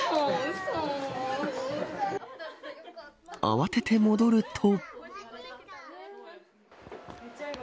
慌てて戻ると。